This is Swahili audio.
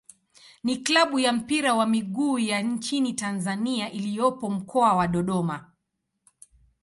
ni klabu ya mpira wa miguu ya nchini Tanzania iliyopo Mkoa wa Dodoma.